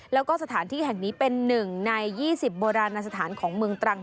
แล้วก็สถานที่แห่งนี้เป็น๑ใน๒๐โบราณสถานของเมืองตรัง